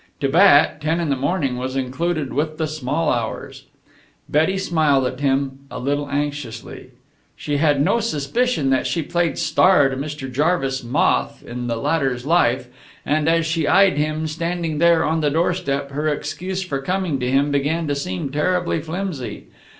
To Bat ten in the morning was included with the small hours. Betty smiled at him, a little anxiously. She had no suspicion that she played star to Mr. Jarvis' moth in the latter's life, and, as she eyed him, standing there on the doorstep, her excuse for coming to him began to seem terribly flimsy.